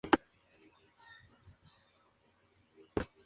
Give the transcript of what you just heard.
Para obtener más información, consulte el artículo la línea principal de Chūō.